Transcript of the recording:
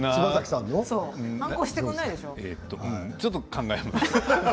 ちょっと考えます。